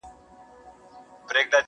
نیمه پېړۍ و جنکيدلم پاچا.